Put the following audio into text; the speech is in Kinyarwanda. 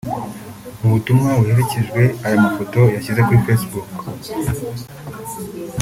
Mu butumwa buherekeje aya mafoto yashyize kuri Facebook